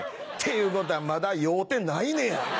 っていうことはまだ酔うてないねや！